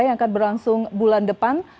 yang akan berlangsung bulan depan